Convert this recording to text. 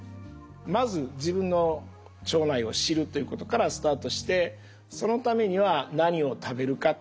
まず自分の腸内を知るということからスタートしてそのためには何を食べるかと。